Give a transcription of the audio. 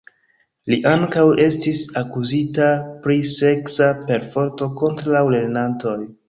Li ankaŭ estis akuzita pri seksa perforto kontraŭ lernantoj.